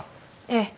ええ。